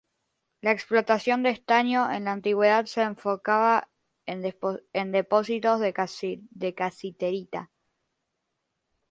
La explotación de estaño en la antigüedad se enfocaba en depósitos de casiterita.